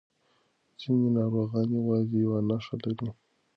ځینې ناروغان یوازې یو نښه لري.